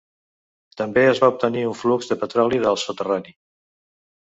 També es va obtenir un flux de petroli del soterrani.